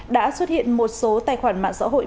đã xuất hiện một số tài khoản mạng xã hội